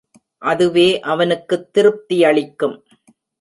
அதுவே அவனுக்குத் திருப்தி யளிக்கும்.